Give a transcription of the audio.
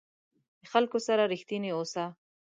د خلکو سره رښتینی اوسه.